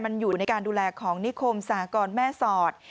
มันอยู่ในการดูแลของนิคมสหกรแม่สอด